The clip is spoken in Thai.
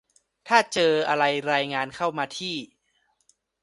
ถ้าเจออะไรรายงานเข้ามาที่